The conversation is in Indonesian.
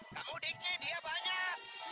kamu dikit dia banyak